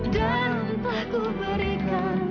dan tak ku berikan